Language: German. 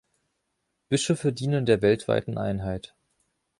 Bischöfe dienen der weltweiten Einheit.